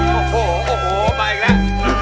โอ้โหโอ้โหมาอีกแล้ว